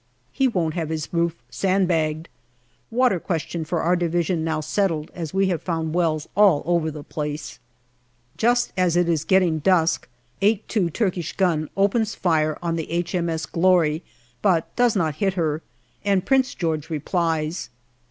He won't have his roof sand bagged. Water question for our Division now settled, as we have found wells all over the place. Just as it is getting dusk 8'2 Turkish gun opens fire on H.M.S. Glory, but does not hit her, and Prince George replies.